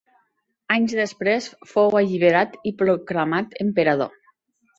Anys després fou alliberat i proclamat emperador.